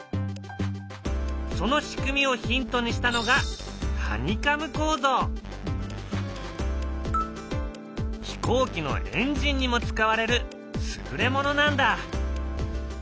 その仕組みをヒントにしたのが飛行機のエンジンにも使われる優れものなんだ。